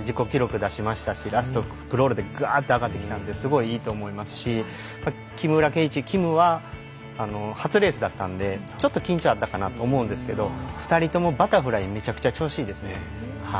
自己記録出しましたしラスト、クロールでぐあって上がってきたのでいいと思いますし木村敬一は初レースだったので緊張があったかなと思うんですが２人ともバタフライすごく調子がいいです。